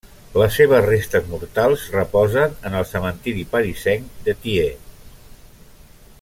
Les seves restes mortals reposen en el cementiri parisenc de Thiais.